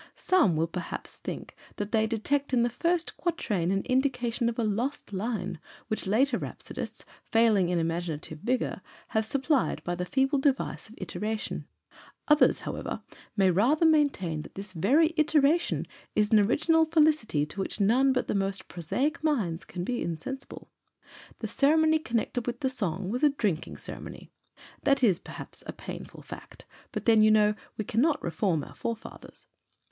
Some will perhaps think that they detect in the first quatrain an indication of a lost line, which later rhapsodists, failing in imaginative vigour, have supplied by the feeble device of iteration; others, however, may rather maintain that this very iteration is an original felicity to which none but the most prosaic minds can be insensible. The ceremony connected with the song was a drinking ceremony. (That is perhaps a painful fact, but then, you know, we cannot reform our forefathers.)